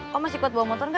komasi kepot bawa motor gak